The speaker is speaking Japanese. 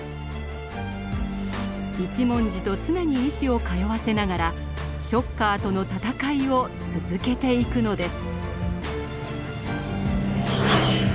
一文字と常に意思を通わせながらショッカーとの戦いを続けていくのです。